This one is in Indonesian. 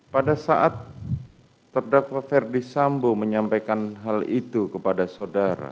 pada saat terdakwa ferdi sambo menyampaikan hal itu kepada saudara